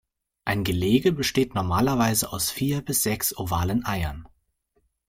Ein Gelege besteht normalerweise aus vier bis sechs ovalen Eiern.